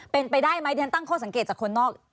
เป็นไปได้ไหมที่ฉันตั้งข้อสังเกตจากคนนอก